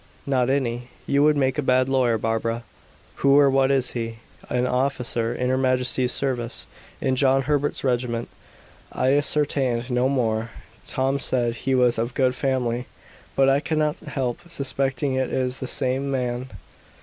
"Not any. You would make a bad lawyer, Barbara." "Who or what is he?" "An officer in her majesty's service, in John Herbert's regiment. I ascertained no more. Tom said he was of good family. But I cannot help suspecting it is the same man."